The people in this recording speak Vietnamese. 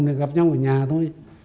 thì gặp nhau ở nhà thôi